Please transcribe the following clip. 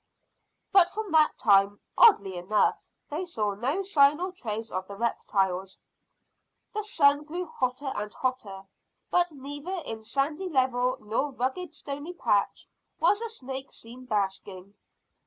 But from that time, oddly enough, they saw no sign or trace of the reptiles. The sun grew hotter and hotter, but neither in sandy level nor rugged stony patch was a snake seen basking.